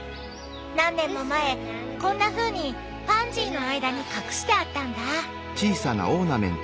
何年も前こんなふうにパンジーの間に隠してあったんだ。